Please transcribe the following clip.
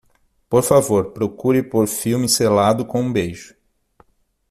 Por favor, procure por filme Selado com um Beijo.